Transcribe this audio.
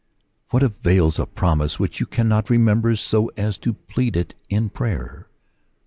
What avails a promise "which you cannot remember so as to plead it in prayer?